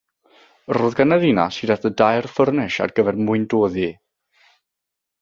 Roedd gan y ddinas hyd at dair ffwrnais ar gyfer mwyndoddi.